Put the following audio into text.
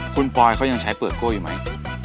คุณปอยเขายังใช้เปลือกโก้อยู่ไหม